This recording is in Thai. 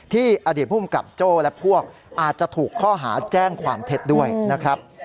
อดีตภูมิกับโจ้และพวกอาจจะถูกข้อหาแจ้งความเท็จด้วยนะครับ